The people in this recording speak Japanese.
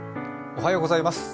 おはようございます。